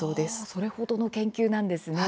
それほどの研究なんですね。